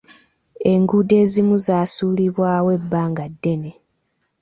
Enguudo ezimu zaasuulibwawo ebbanga ddene.